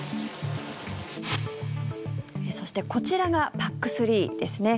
そしてこちらがＰＡＣ３ですね。